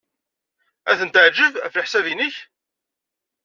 Ad ten-teɛjeb, ɣef leḥsab-nnek?